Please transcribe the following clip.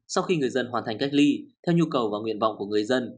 sau khi người dân hoàn thành cách ly theo nhu cầu và nguyện vọng của người dân